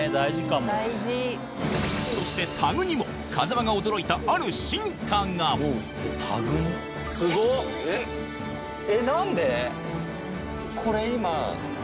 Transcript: そしてタグにも風間が驚いたある進化がこれ今。